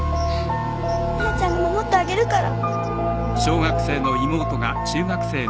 お姉ちゃんが守ってあげるから